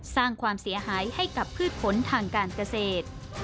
สร้างความเสียหายให้กับพืชผลทางการเกษตร